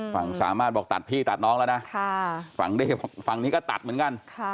สามารถบอกตัดพี่ตัดน้องแล้วนะฝั่งนี้ก็ตัดเหมือนกัน